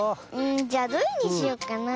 じゃあどれにしよっかなあ。